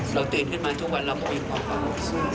เราตื่นขึ้นมาทุกวันเราตื่นมาก่อน